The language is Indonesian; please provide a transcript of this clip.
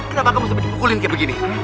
kenapa kamu sampai dipukulin kayak begini